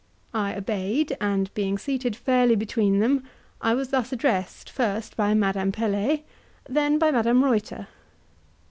I obeyed; and being seated fairly between them, I was thus addressed first by Madame Pelet, then by Madame Reuter.